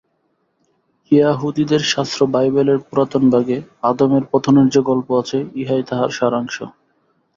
য়াহুদীদের শাস্ত্র বাইবেলের পুরাতন ভাগে আদমের পতনের যে-গল্প আছে, ইহাই তাহার সারাংশ।